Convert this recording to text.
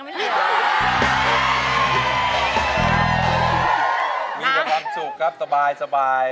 มีแต่ความสุขครับสบาย